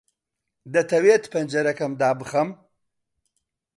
دەتەوێت پەنجەرەکە دابخەم؟